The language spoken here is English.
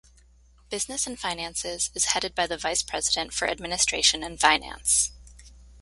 Business and finances is headed by the vice president for administration and finance.